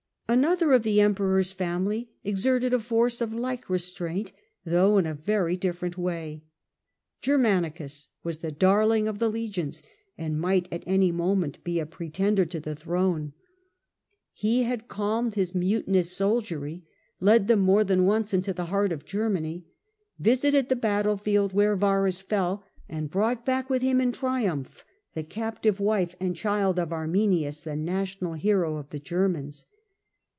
Another of the Emperor's family exerted a force of like restraint though in a very different way. Germanicus was the darling of the legions, and might at Restraining any moment be a pretender to the throne. He force ex^cnod had calmed his mutinous soldiery, led them of Oeriruini more than once into the heart of Germany, visited the battlefield where Varus fell, and brought back with him in triumph the captive wife and child of Armi nius, the national hero of the Germans.